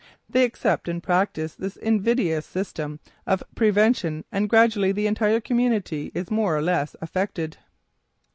They accept and practice this invidious system of prevention and gradually the entire community is more or less affected.